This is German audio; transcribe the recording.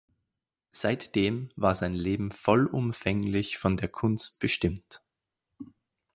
Seitdem war sein Leben vollumfänglich von der Kunst bestimmt.